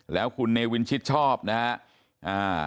แล้วคุณเนวินชิดชอบนะครับ